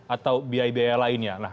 atau biaya biaya lainnya